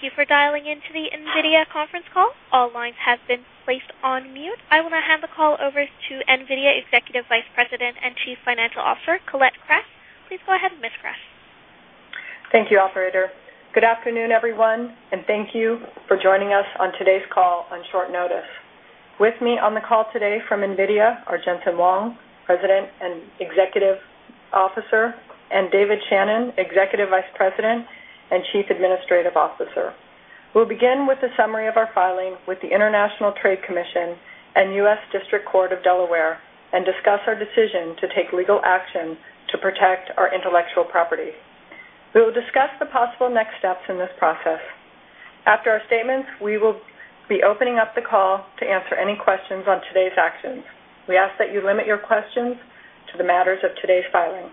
Thank you for dialing in to the NVIDIA conference call. All lines have been placed on mute. I will now hand the call over to NVIDIA Executive Vice President and Chief Financial Officer, Colette Kress. Please go ahead, Ms. Kress. Thank you, operator. Good afternoon, everyone, and thank you for joining us on today's call on short notice. With me on the call today from NVIDIA are Jensen Huang, President and Executive Officer, and David Shannon, Executive Vice President and Chief Administrative Officer. We'll begin with a summary of our filing with the International Trade Commission and U.S. District Court of Delaware and discuss our decision to take legal action to protect our intellectual property. We will discuss the possible next steps in this process. After our statements, we will be opening up the call to answer any questions on today's actions. We ask that you limit your questions to the matters of today's filing.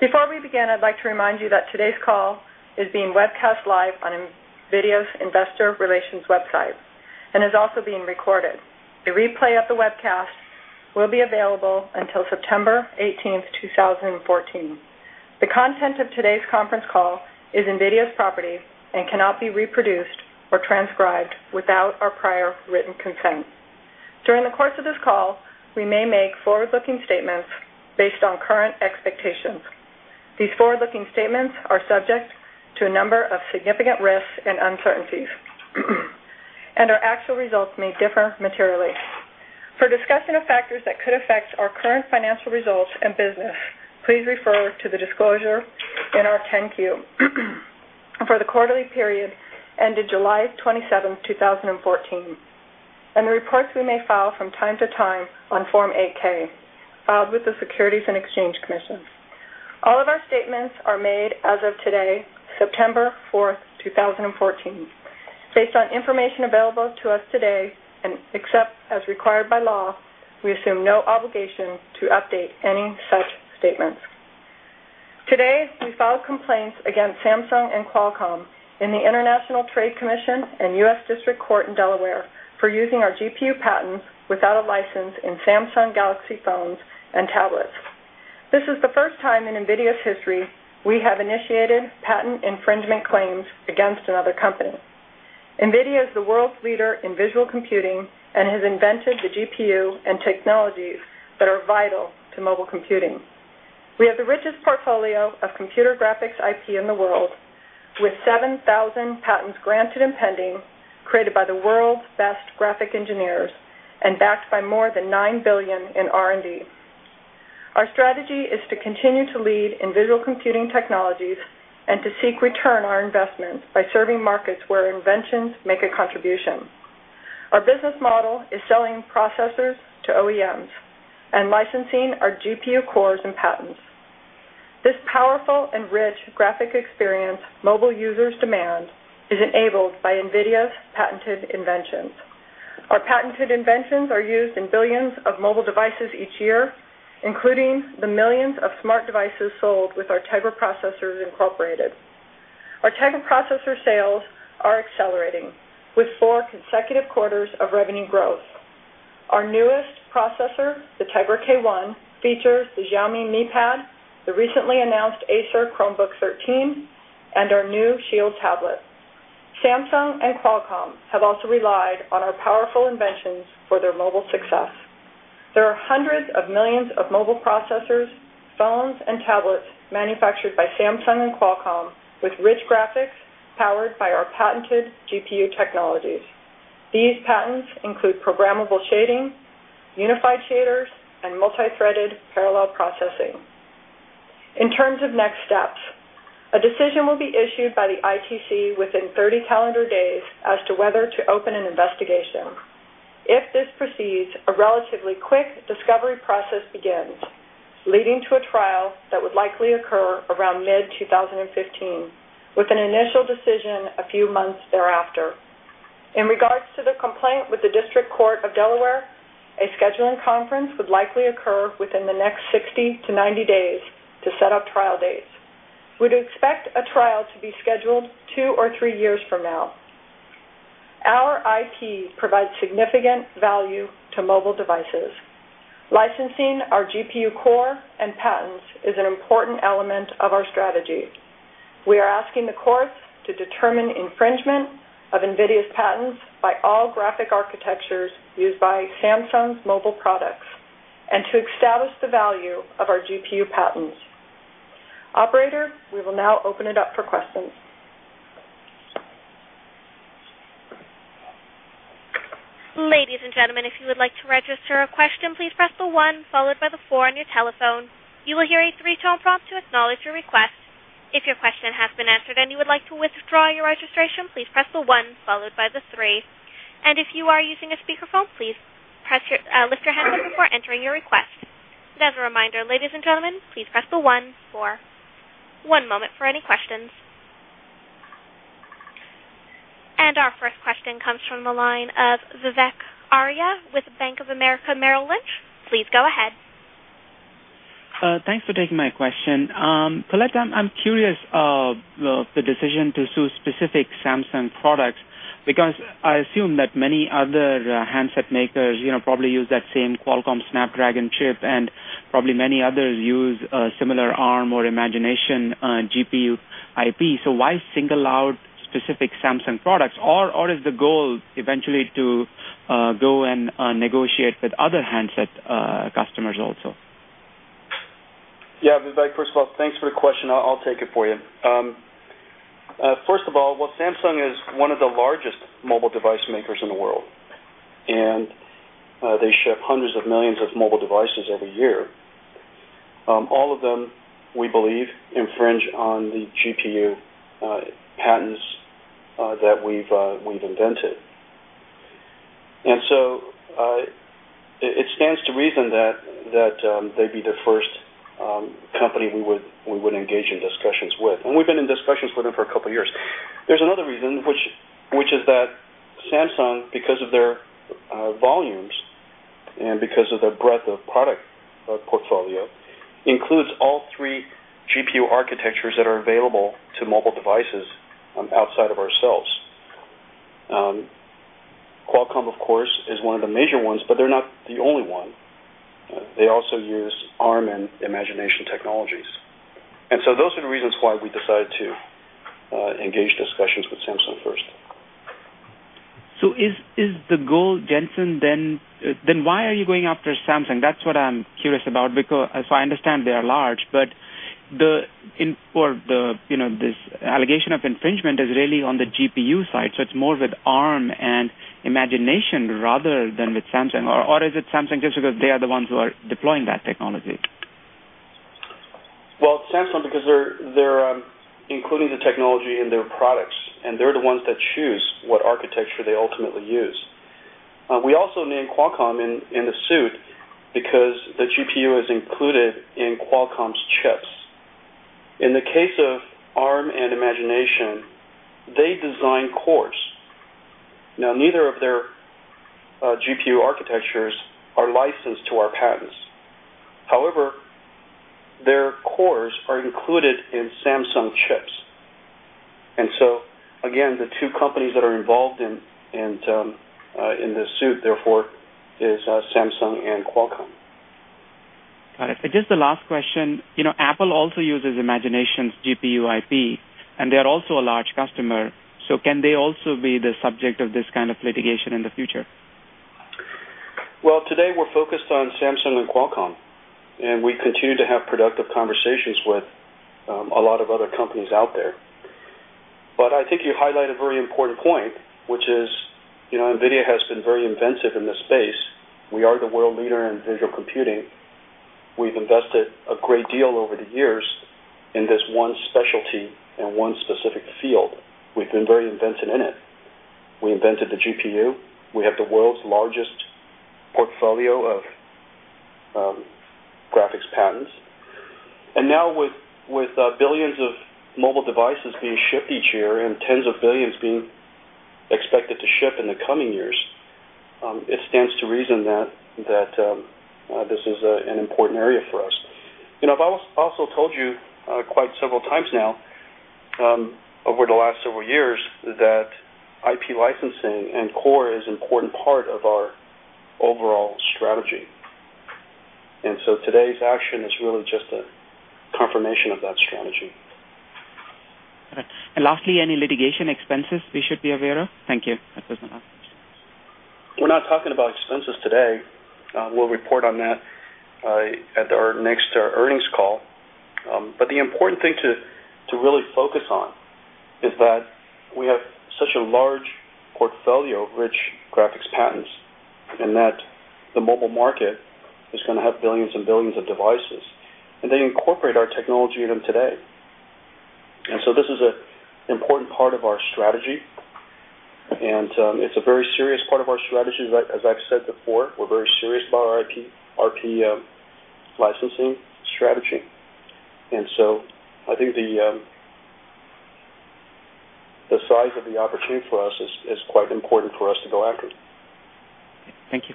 Before we begin, I'd like to remind you that today's call is being webcast live on NVIDIA's investor relations website and is also being recorded. The replay of the webcast will be available until September 18th, 2014. The content of today's conference call is NVIDIA's property and cannot be reproduced or transcribed without our prior written consent. During the course of this call, we may make forward-looking statements based on current expectations. These forward-looking statements are subject to a number of significant risks and uncertainties, and our actual results may differ materially. For a discussion of factors that could affect our current financial results and business, please refer to the disclosure in our 10-Q for the quarterly period ending July 27th, 2014, and the reports we may file from time to time on Form 8-K, filed with the Securities and Exchange Commission. All of our statements are made as of today, September 4th, 2014. Based on information available to us today and except as required by law, I assume no obligation to update any such statements. Today, we filed complaints against Samsung and Qualcomm in the International Trade Commission and U.S. District Court in Delaware for using our GPU patents without a license in Samsung Galaxy phones and tablets. This is the first time in NVIDIA's history we have initiated patent infringement claims against another company. NVIDIA is the world's leader in visual computing and has invented the GPU and technologies that are vital to mobile computing. We have the richest portfolio of computer graphics IP in the world, with 7,000 patents granted and pending, created by the world's best graphic engineers, and backed by more than $9 billion in R&D. Our strategy is to continue to lead in visual computing technologies and to seek return on our investments by serving markets where inventions make a contribution. Our business model is selling processors to OEMs and licensing our GPU cores and patents. This powerful and rich graphic experience mobile users demand is enabled by NVIDIA's patented inventions. Our patented inventions are used in billions of mobile devices each year, including the millions of smart devices sold with our Tegra processors incorporated. Our Tegra processor sales are accelerating, with 4 consecutive quarters of revenue growth. Our newest processor, the Tegra K1, features the Xiaomi Mi Pad, the recently announced Acer Chromebook 13, and our new Shield tablet. Samsung and Qualcomm have also relied on our powerful inventions for their mobile success. There are hundreds of millions of mobile processors, phones, and tablets manufactured by Samsung and Qualcomm with rich graphics powered by our patented GPU technologies. These patents include programmable shading, unified shaders, and multithreaded parallel processing. In terms of next steps, a decision will be issued by the ITC within 30 calendar days as to whether to open an investigation. If this proceeds, a relatively quick discovery process begins, leading to a trial that would likely occur around mid-2015, with an initial decision a few months thereafter. In regards to the complaint with the District Court of Delaware, a scheduling conference would likely occur within the next 60 to 90 days to set up trial dates. We'd expect a trial to be scheduled 2 or 3 years from now. Our IP provides significant value to mobile devices. Licensing our GPU core and patents is an important element of our strategy. We are asking the courts to determine infringement of NVIDIA's patents by all graphic architectures used by Samsung's mobile products and to establish the value of our GPU patents. Operator, we will now open it up for questions. Ladies and gentlemen, if you would like to register a question, please press the one followed by the four on your telephone. You will hear a three-tone prompt to acknowledge your request. If your question has been answered and you would like to withdraw your registration, please press the one followed by the three. If you are using a speakerphone, please lift your handset before entering your request. As a reminder, ladies and gentlemen, please press the one for one moment for any questions. Our first question comes from the line of Vivek Arya with Bank of America Merrill Lynch. Please go ahead. Thanks for taking my question. Colette, I'm curious of the decision to sue specific Samsung products. I assume that many other handset makers probably use that same Qualcomm Snapdragon chip, and probably many others use a similar Arm or Imagination GPU IP. Why single out specific Samsung products, or is the goal eventually to go and negotiate with other handset customers also? Vivek, thanks for your question. I'll take it for you. Well, Samsung is one of the largest mobile device makers in the world, and they ship hundreds of millions of mobile devices every year. All of them, we believe, infringe on the GPU patents that we've invented. It stands to reason that they'd be the first company we would engage in discussions with. We've been in discussions with them for a couple of years. There's another reason, which is that Samsung, because of their volumes and because of their breadth of product portfolio, includes all three GPU architectures that are available to mobile devices outside of ourselves. Qualcomm, of course, is one of the major ones, but they're not the only one. They also use Arm and Imagination Technologies. Those are the reasons why we decided to engage discussions with Samsung first. Is the goal, Jensen, why are you going after Samsung? That's what I'm curious about because as I understand, they are large, but this allegation of infringement is really on the GPU side, it's more with Arm and Imagination rather than with Samsung. Is it Samsung just because they are the ones who are deploying that technology? Well, Samsung, because they're including the technology in their products, and they're the ones that choose what architecture they ultimately use. We also named Qualcomm in the suit because the GPU is included in Qualcomm's chips. In the case of Arm and Imagination, they design cores. Now, neither of their GPU architectures are licensed to our patents. However, their cores are included in Samsung chips. Again, the two companies that are involved in this suit, therefore, is Samsung and Qualcomm. Got it. Just the last question. Apple also uses Imagination's GPU IP, and they're also a large customer. Can they also be the subject of this kind of litigation in the future? Well, today we're focused on Samsung and Qualcomm, and we continue to have productive conversations with a lot of other companies out there. I think you highlight a very important point, which is NVIDIA has been very inventive in this space. We are the world leader in visual computing. We've invested a great deal over the years in this one specialty and one specific field. We've been very inventive in it. We invented the GPU. We have the world's largest portfolio of graphics patents. With billions of mobile devices being shipped each year and tens of billions being expected to ship in the coming years, it stands to reason that this is an important area for us. I've also told you quite several times now, over the last several years, that IP licensing and core is an important part of our overall strategy. Today's action is really just a confirmation of that strategy. Got it. Lastly, any litigation expenses we should be aware of? Thank you. That is the last question. We're not talking about expenses today. We'll report on that at our next earnings call. The important thing to really focus on is that we have such a large portfolio of rich graphics patents, that the mobile market is going to have billions and billions of devices, and they incorporate our technology in them today. This is an important part of our strategy, and it's a very serious part of our strategy. As I've said before, we're very serious about our IP licensing strategy. I think the size of the opportunity for us is quite important for us to go after it. Thank you.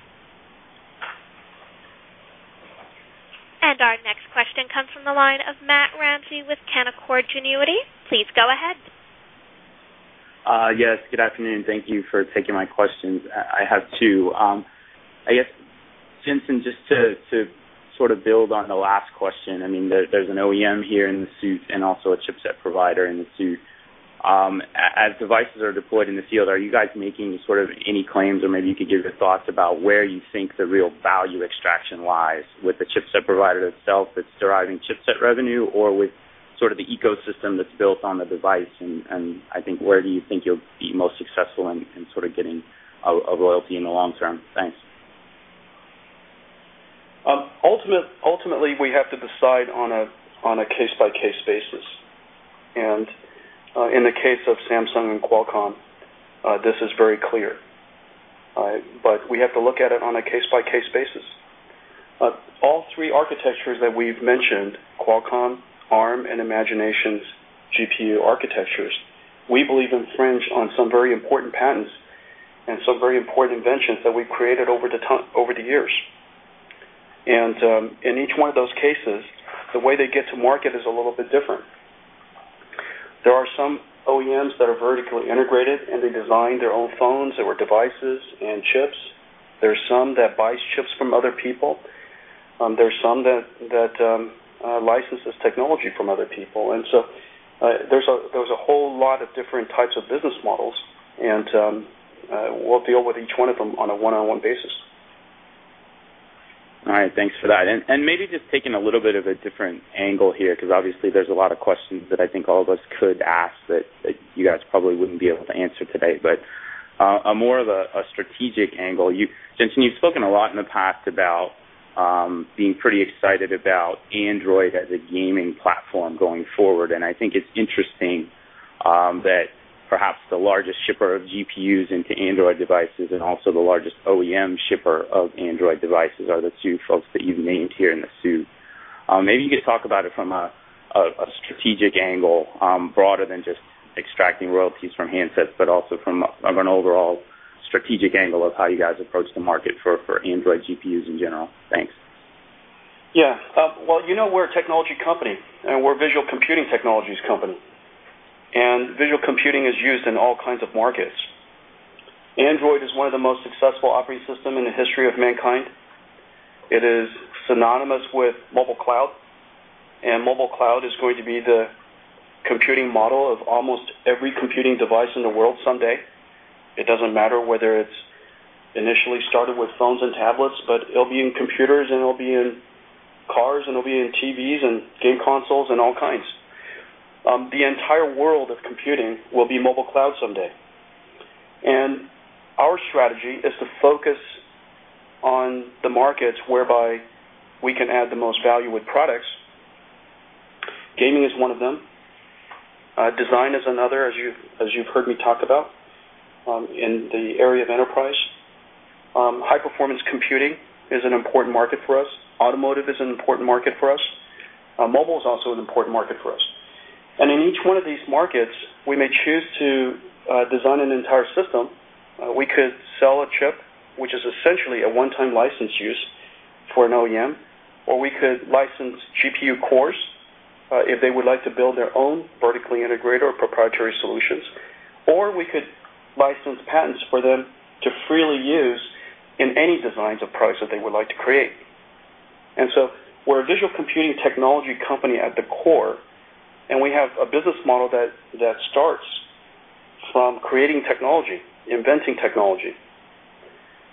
Our next question comes from the line of Matt Ramsay with Canaccord Genuity. Please go ahead. Yes, good afternoon. Thank you for taking my questions. I have two. I guess, Jensen, just to build on the last question, there's an OEM here in the suit and also a chipset provider in the suit. As devices are deployed in the field, are you guys making any claims or maybe you could give your thoughts about where you think the real value extraction lies with the chipset provider itself that's deriving chipset revenue or with the ecosystem that's built on the device and I think where do you think you'll be most successful in getting a loyalty in the long term? Thanks. Ultimately, we have to decide on a case-by-case basis. In the case of Samsung and Qualcomm, this is very clear. We have to look at it on a case-by-case basis. All three architectures that we've mentioned, Qualcomm, Arm, and Imagination's GPU architectures, we believe infringe on some very important patents and some very important inventions that we've created over the years. In each one of those cases, the way they get to market is a little bit different. There are some OEMs that are vertically integrated, and they design their own phones or devices and chips. There's some that buy chips from other people. There's some that licenses technology from other people. So there's a whole lot of different types of business models, and we'll deal with each one of them on a one-on-one basis. All right. Thanks for that. Maybe just taking a little bit of a different angle here, because obviously there's a lot of questions that I think all of us could ask that you guys probably wouldn't be able to answer today, but more of a strategic angle. Jensen, you've spoken a lot in the past about being pretty excited about Android as a gaming platform going forward, and I think it's interesting that perhaps the largest shipper of GPUs into Android devices and also the largest OEM shipper of Android devices are the two folks that you've named here in the suit. Maybe you could talk about it from a strategic angle, broader than just extracting royalties from handsets, but also from an overall strategic angle of how you guys approach the market for Android GPUs in general. Thanks. Yeah. Well, we're a technology company, and we're a visual computing technologies company, and visual computing is used in all kinds of markets. Android is one of the most successful operating system in the history of mankind. It is synonymous with mobile cloud, and mobile cloud is going to be the computing model of almost every computing device in the world someday. It doesn't matter whether it's initially started with phones and tablets, but it'll be in computers and it'll be in cars, and it'll be in TVs and game consoles, and all kinds. The entire world of computing will be mobile cloud someday. Our strategy is to focus on the markets whereby we can add the most value with products. Gaming is one of them. Design is another, as you've heard me talk about, in the area of enterprise. High performance computing is an important market for us. Automotive is an important market for us. Mobile is also an important market for us. In each one of these markets, we may choose to design an entire system. We could sell a chip, which is essentially a one-time license use for an OEM, or we could license GPU cores if they would like to build their own vertically integrated or proprietary solutions. We could license patents for them to freely use in any designs of products that they would like to create. We're a visual computing technology company at the core, and we have a business model that starts from creating technology, inventing technology.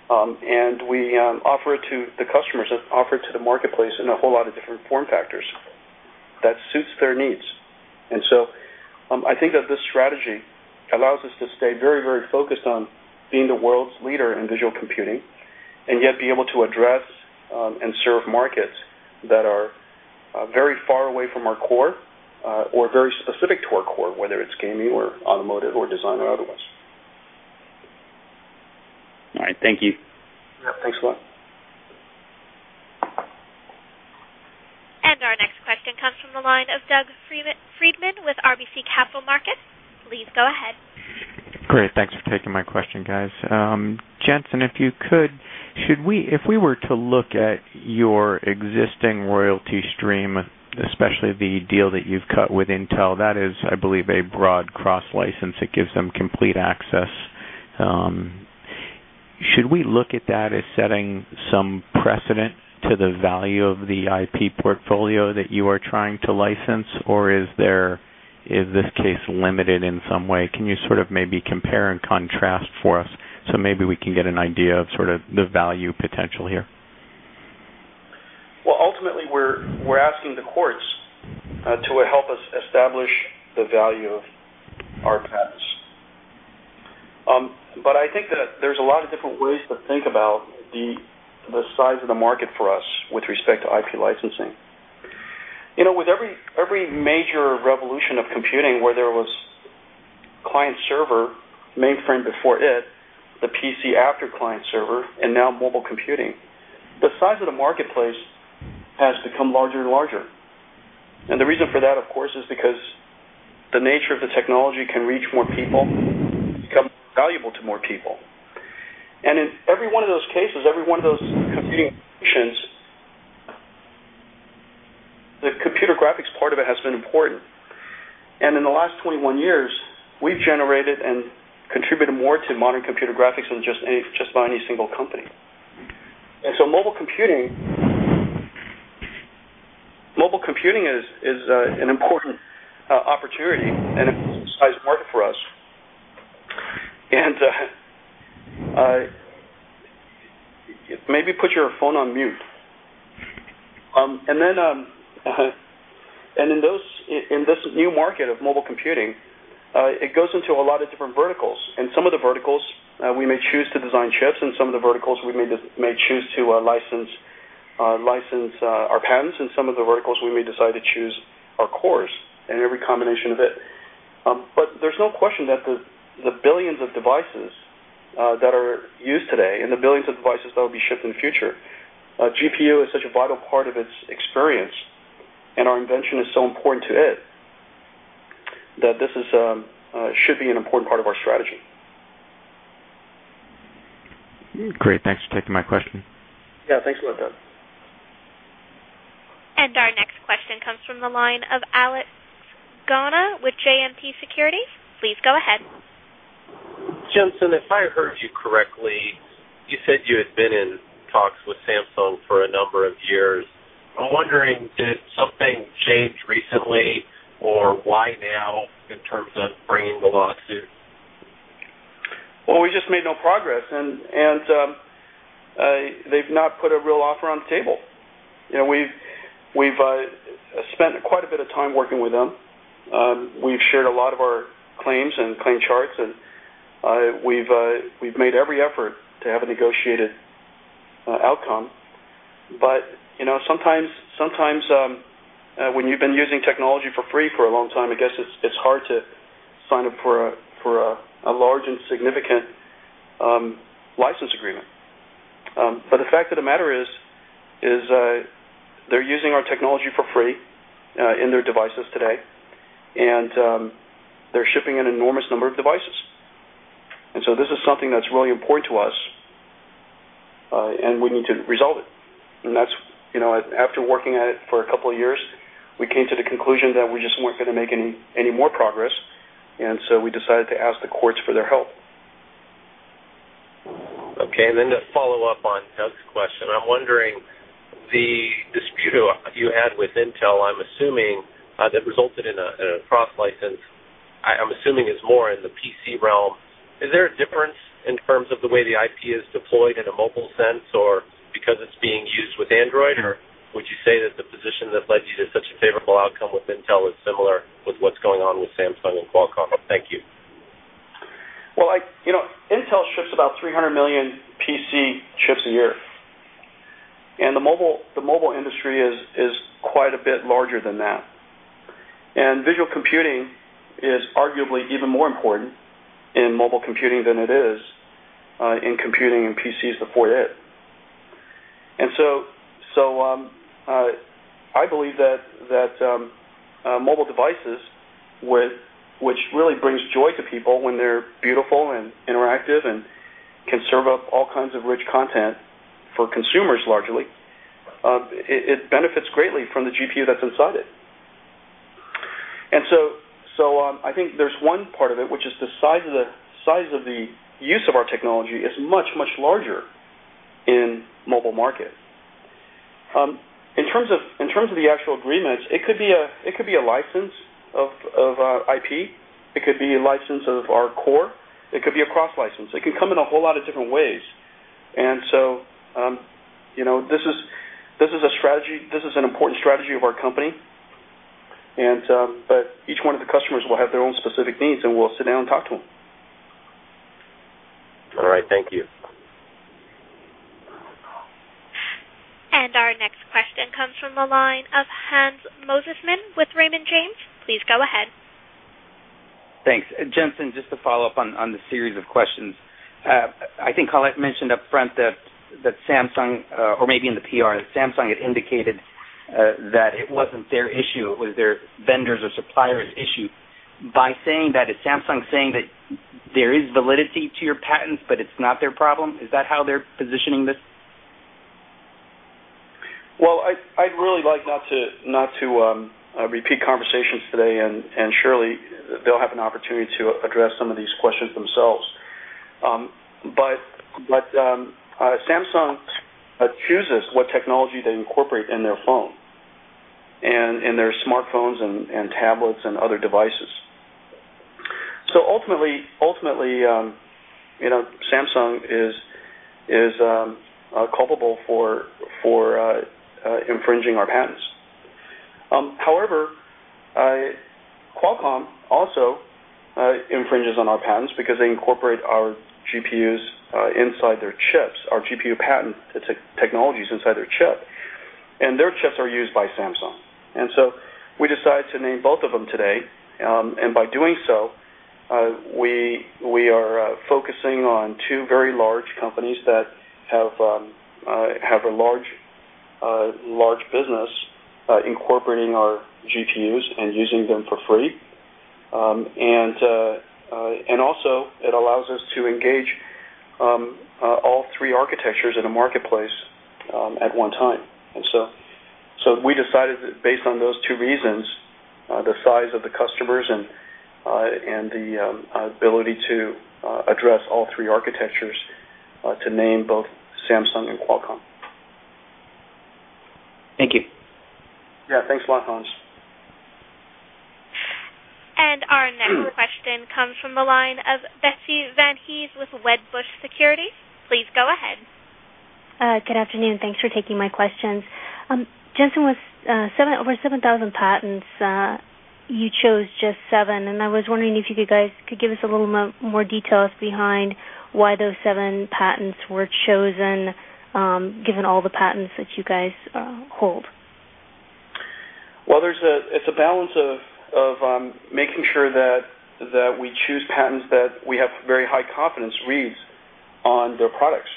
We offer it to the customers, offer it to the marketplace in a whole lot of different form factors that suits their needs. I think that this strategy allows us to stay very focused on being the world's leader in visual computing, and yet be able to address and serve markets that are very far away from our core or very specific to our core, whether it's gaming or automotive or design or otherwise. All right. Thank you. Yeah. Thanks a lot. Our next question comes from the line of Doug Freedman with RBC Capital Markets. Please go ahead. Great. Thanks for taking my question, guys. Jensen, if you could, if we were to look at your existing royalty stream, especially the deal that you've cut with Intel, that is, I believe, a broad cross-license. It gives them complete access. Should we look at that as setting some precedent to the value of the IP portfolio that you are trying to license, or is this case limited in some way? Can you sort of maybe compare and contrast for us so maybe we can get an idea of sort of the value potential here? Well, ultimately, we're asking the courts to help us establish the value of our patents. I think that there's a lot of different ways to think about the size of the market for us with respect to IP licensing. With every major revolution of computing, where there was client server, mainframe before it, the PC after client server, now mobile computing, the size of the marketplace has become larger and larger. The reason for that, of course, is because the nature of the technology can reach more people, become valuable to more people. In every one of those cases, every one of those computing the computer graphics part of it has been important. In the last 21 years, we've generated and contributed more to modern computer graphics than just about any single company. Mobile computing is an important opportunity and a good size market for us. Maybe put your phone on mute. In this new market of mobile computing, it goes into a lot of different verticals, some of the verticals we may choose to design chips, some of the verticals we may choose to license our patents, some of the verticals we may decide to choose our cores, and every combination of it. There's no question that the billions of devices that are used today and the billions of devices that will be shipped in the future, GPU is such a vital part of its experience, and our invention is so important to it. That this should be an important part of our strategy. Great. Thanks for taking my question. Yeah, thanks a lot, Doug. Our next question comes from the line of Alex Gauna with JMP Securities. Please go ahead. Jensen, if I heard you correctly, you said you had been in talks with Samsung for a number of years. I'm wondering, did something change recently, or why now in terms of bringing the lawsuit? Well, we just made no progress, they've not put a real offer on the table. We've spent quite a bit of time working with them. We've shared a lot of our claims and claim charts, we've made every effort to have a negotiated outcome. Sometimes, when you've been using technology for free for a long time, I guess it's hard to sign up for a large and significant license agreement. The fact of the matter is, they're using our technology for free in their devices today, they're shipping an enormous number of devices. This is something that's really important to us, we need to resolve it. After working at it for a couple of years, we came to the conclusion that we just weren't going to make any more progress, we decided to ask the courts for their help. Okay, to follow up on Doug's question, I'm wondering, the dispute you had with Intel, that resulted in a cross license, I'm assuming is more in the PC realm. Is there a difference in terms of the way the IP is deployed in a mobile sense, or because it's being used with Android, or would you say that the position that led you to such a favorable outcome with Intel is similar with what's going on with Samsung and Qualcomm? Thank you. Well, Intel ships about 300 million PC chips a year, the mobile industry is quite a bit larger than that. Visual computing is arguably even more important in mobile computing than it is in computing and PCs before it. I believe that mobile devices, which really brings joy to people when they're beautiful and interactive and can serve up all kinds of rich content for consumers largely, it benefits greatly from the GPU that's inside it. I think there's one part of it, which is the size of the use of our technology is much, much larger in mobile market. In terms of the actual agreements, it could be a license of IP. It could be a license of our core. It could be a cross-license. It can come in a whole lot of different ways. This is an important strategy of our company. Each one of the customers will have their own specific needs, we'll sit down and talk to them. All right. Thank you. Our next question comes from the line of Hans Mosesmann with Raymond James. Please go ahead. Thanks. Jensen, just to follow up on the series of questions. I think Colette mentioned upfront that Samsung, or maybe in the PR, that Samsung had indicated that it wasn't their issue, it was their vendors' or suppliers' issue. By saying that, is Samsung saying that there is validity to your patents, but it's not their problem? Is that how they're positioning this? Well, I'd really like not to repeat conversations today, and surely they'll have an opportunity to address some of these questions themselves. Samsung chooses what technology they incorporate in their phone and in their smartphones and tablets and other devices. Ultimately Samsung is culpable for infringing our patents. However, Qualcomm also infringes on our patents because they incorporate our GPUs inside their chips, our GPU patent technologies inside their chip. Their chips are used by Samsung. We decided to name both of them today. By doing so, we are focusing on two very large companies that have a large business incorporating our GPUs and using them for free. Also it allows us to engage all three architectures in a marketplace at one time. We decided that based on those two reasons, the size of the customers and the ability to address all three architectures to name both Samsung and Qualcomm. Thank you. Yeah. Thanks a lot, Hans. Our next question comes from the line of Betsy Van Hees with Wedbush Securities. Please go ahead. Good afternoon. Thanks for taking my questions. Jensen, with over 7,000 patents, you chose just seven. I was wondering if you guys could give us a little more details behind why those seven patents were chosen, given all the patents that you guys hold. Well, it's a balance of making sure that we choose patents that we have very high confidence reads on their products.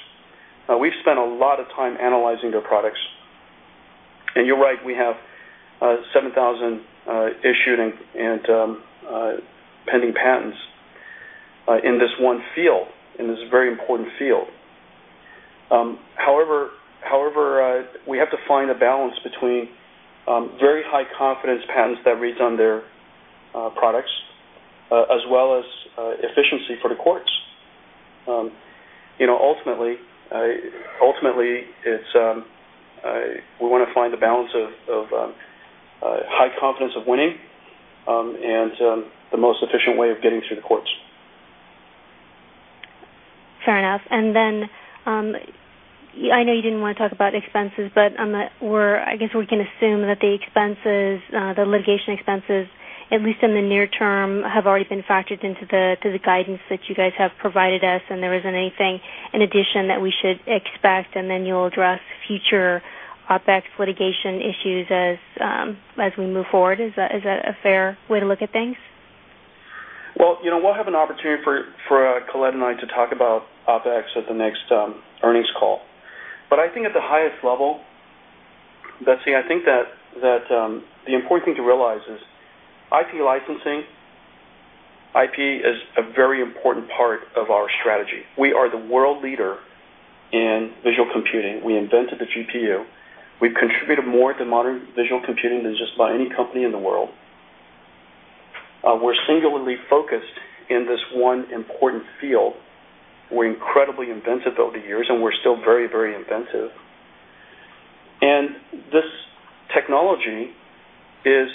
We've spent a lot of time analyzing their products. You're right, we have 7,000 issued and pending patents in this one field, in this very important field. However, we have to find a balance between very high confidence patents that read on their products, as well as efficiency for the courts. Ultimately, we want to find the balance of high confidence of winning and the most efficient way of getting through the courts. Fair enough. I know you didn't want to talk about expenses, but I guess we can assume that the litigation expenses, at least in the near term, have already been factored into the guidance that you guys have provided us. There isn't anything in addition that we should expect. You'll address future OpEx litigation issues as we move forward. Is that a fair way to look at things? Well, we'll have an opportunity for Colette and I to talk about OpEx at the next earnings call. I think at the highest level, Betsy, I think that the important thing to realize is IP licensing. IP is a very important part of our strategy. We are the world leader in visual computing. We invented the GPU. We've contributed more to modern visual computing than just about any company in the world. We're singularly focused in this one important field. We're incredibly inventive over the years, and we're still very inventive. This technology is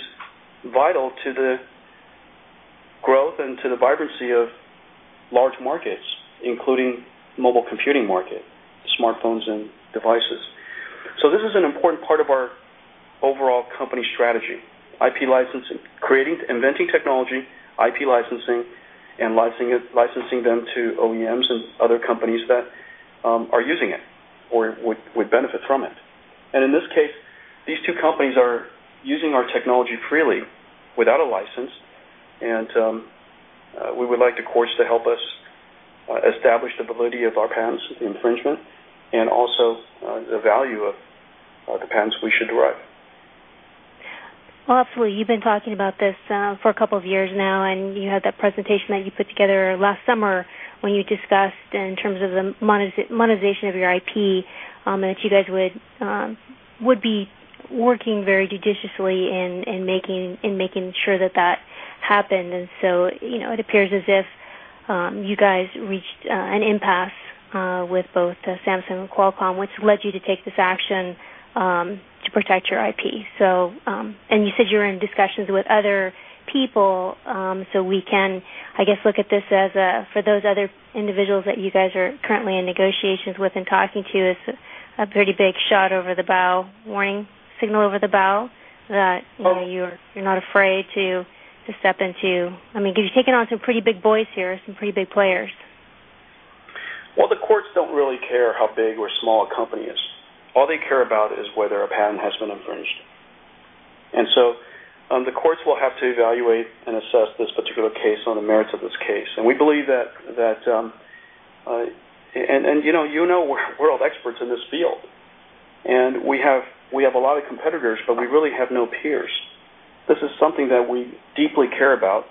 vital to the growth and to the vibrancy of large markets, including mobile computing market, smartphones, and devices. This is an important part of our overall company strategy, IP licensing, creating, inventing technology, IP licensing, and licensing them to OEMs and other companies that are using it or would benefit from it. In this case, these two companies are using our technology freely without a license, and we would like the courts to help us establish the validity of our patents infringement and also the value of the patents we should derive. Well, absolutely. You've been talking about this for a couple of years now, and you had that presentation that you put together last summer when you discussed in terms of the monetization of your IP, that you guys would be working very judiciously in making sure that that happened. It appears as if you guys reached an impasse with both Samsung and Qualcomm, which led you to take this action to protect your IP. You said you were in discussions with other people, so we can, I guess, look at this as for those other individuals that you guys are currently in negotiations with and talking to, is a pretty big shot over the bow, warning signal over the bow that you're not afraid to step into Because you're taking on some pretty big boys here, some pretty big players. Well, the courts don't really care how big or small a company is. All they care is whether a patent has been infringed. The courts will have to evaluate and assess this particular case on the merits of this case. We believe that, you know we're world experts in this field, and we have a lot of competitors, but we really have no peers. This is something that we deeply care about,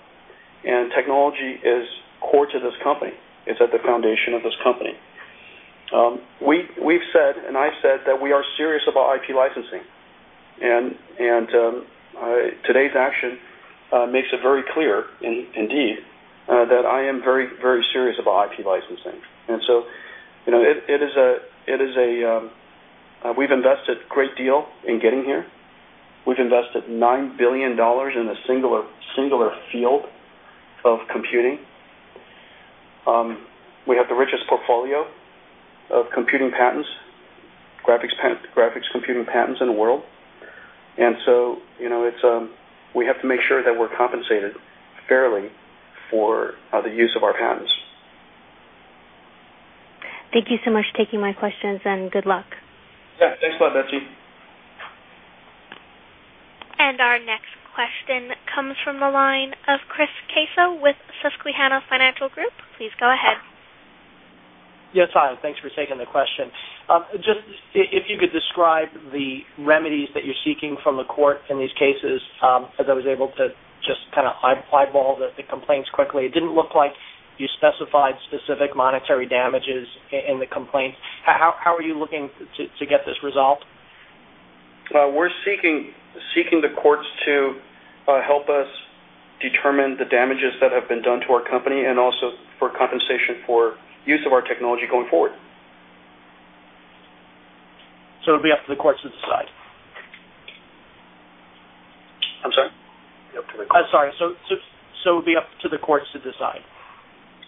and technology is core to this company. It's at the foundation of this company. We've said, and I've said that we are serious about IP licensing. Today's action makes it very clear indeed that I am very serious about IP licensing. We've invested great deal in getting here. We've invested $9 billion in a singular field of computing. We have the richest portfolio of computing patents, graphics computing patents in the world. We have to make sure that we're compensated fairly for the use of our patents. Thank you so much for taking my questions, and good luck. Yeah. Thanks a lot, Betsy. Our next question comes from the line of Chris Caso with Susquehanna Financial Group. Please go ahead. Yes, hi. Thanks for taking the question. Just if you could describe the remedies that you're seeking from the court in these cases, as I was able to just kind of eyeball the complaints quickly. It didn't look like you specified specific monetary damages in the complaint. How are you looking to get this resolved? We're seeking the courts to help us determine the damages that have been done to our company and also for compensation for use of our technology going forward. It'll be up to the courts to decide. I'm sorry? It'll be up to the courts. I'm sorry. It'll be up to the courts to decide.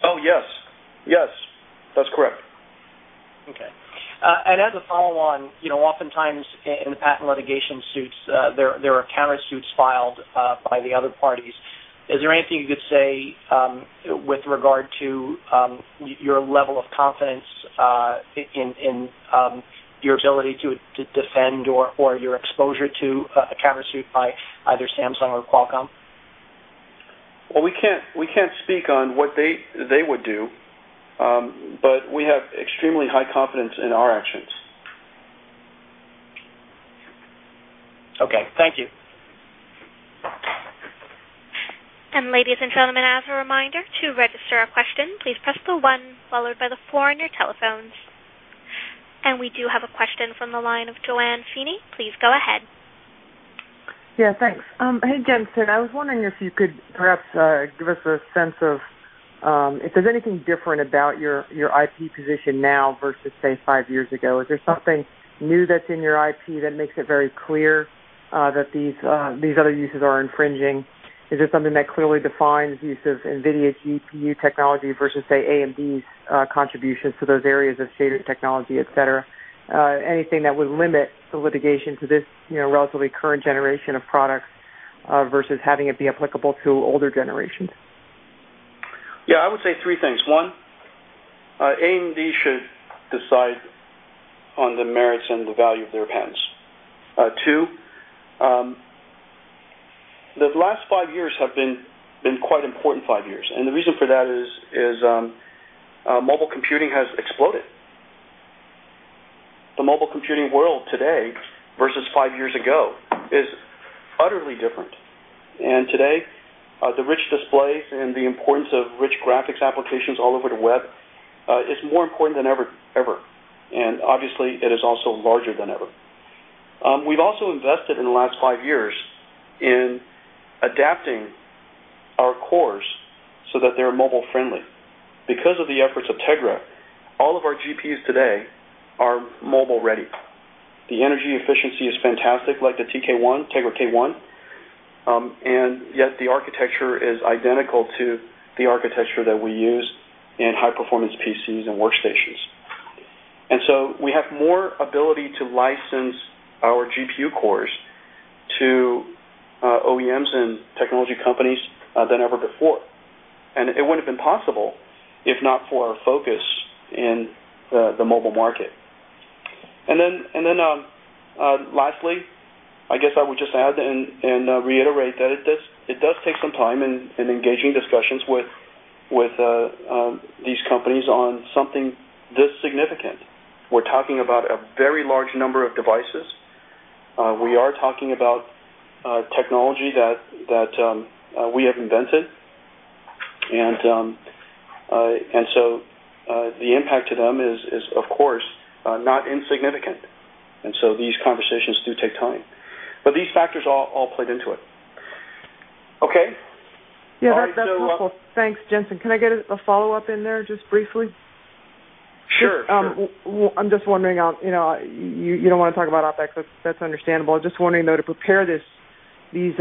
Oh, yes. Yes. That's correct. As a follow-on, oftentimes in patent litigation suits, there are countersuits filed by the other parties. Is there anything you could say, with regard to your level of confidence in your ability to defend or your exposure to a countersuit by either Samsung or Qualcomm? Well, we can't speak on what they would do, but we have extremely high confidence in our actions. Okay. Thank you. Ladies and gentlemen, as a reminder, to register a question, please press the one followed by the four on your telephones. We do have a question from the line of JoAnne Feeney. Please go ahead. Yeah, thanks. Hey, Jensen. I was wondering if you could perhaps give us a sense of if there's anything different about your IP position now versus, say, five years ago. Is there something new that's in your IP that makes it very clear that these other uses are infringing? Is there something that clearly defines use of NVIDIA's GPU technology versus, say, AMD's contributions to those areas of shader technology, et cetera? Anything that would limit the litigation to this relatively current generation of products versus having it be applicable to older generations? Yeah, I would say three things. One, AMD should decide on the merits and the value of their patents. Two, the last five years have been quite important five years. The reason for that is mobile computing has exploded. The mobile computing world today versus five years ago is utterly different. Today, the rich displays and the importance of rich graphics applications all over the web is more important than ever, and obviously, it is also larger than ever. We've also invested in the last five years in adapting our cores so that they're mobile-friendly. Because of the efforts of Tegra, all of our GPUs today are mobile-ready. The energy efficiency is fantastic, like the TK1, Tegra K1, and yet the architecture is identical to the architecture that we use in high-performance PCs and workstations. So we have more ability to license our GPU cores to OEMs and technology companies than ever before. It wouldn't have been possible if not for our focus in the mobile market. Lastly, I guess I would just add and reiterate that it does take some time in engaging discussions with these companies on something this significant. We're talking about a very large number of devices. We are talking about technology that we have invented. So the impact to them is, of course, not insignificant. So these conversations do take time, but these factors all played into it. Okay. Yeah, that's helpful. Thanks, Jensen. Can I get a follow-up in there just briefly? Sure. I'm just wondering, you don't want to talk about OpEx, that's understandable. Just wondering, though, to prepare these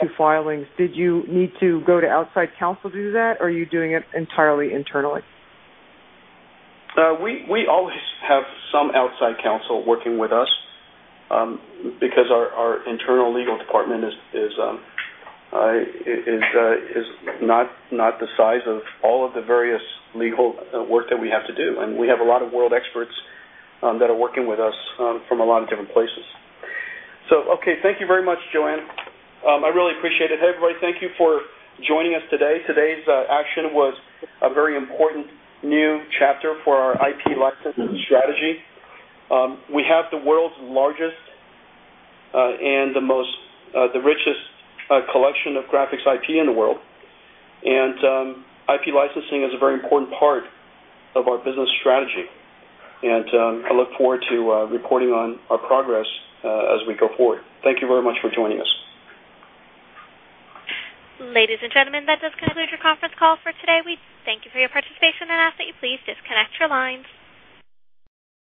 two filings, did you need to go to outside counsel to do that, or are you doing it entirely internally? We always have some outside counsel working with us, because our internal legal department is not the size of all of the various legal work that we have to do, and we have a lot of world experts that are working with us from a lot of different places. Okay. Thank you very much, JoAnne. I really appreciate it. Hey, everybody. Thank you for joining us today. Today's action was a very important new chapter for our IP license strategy. We have the world's largest and the richest collection of graphics IP in the world, and IP licensing is a very important part of our business strategy, and I look forward to reporting on our progress as we go forward. Thank you very much for joining us. Ladies and gentlemen, that does conclude your conference call for today. We thank you for your participation and ask that you please disconnect your lines.